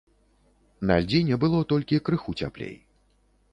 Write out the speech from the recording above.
На льдзіне было толькі крыху цяплей.